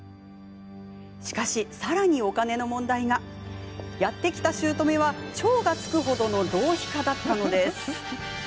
しかし、さらにお金の問題が。やって来た、しゅうとめは超がつくほどの浪費家だったのです。